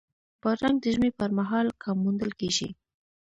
بادرنګ د ژمي پر مهال کم موندل کېږي.